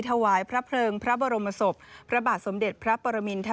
ถวายพระเพลิงพระบรมศพพระบาทสมเด็จพระปรมินทร